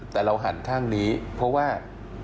แต่เราหันข้างนี้เพราะว่า